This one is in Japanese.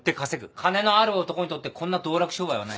金のある男にとってこんな道楽商売はない。